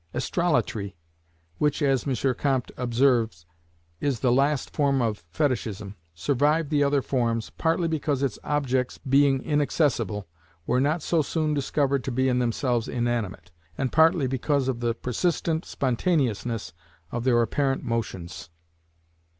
Astrolatry, which, as M. Comte observes, is the last form of Fetichism, survived the other forms, partly because its objects, being inaccessible, were not so soon discovered to be in themselves inanimate, and partly because of the persistent spontaneousness of their apparent motions.